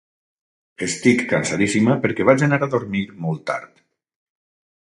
Estic cansadíssima perquè vaig anar a dormir molt tard.